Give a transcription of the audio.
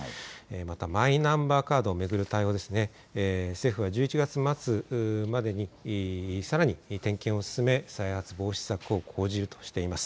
またマイナンバーカードを巡る対応、政府は１１月末までにさらに点検を進め再発防止策を講じるとしています。